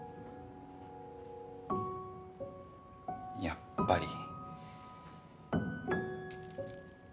やっぱり。